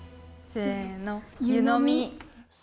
せの。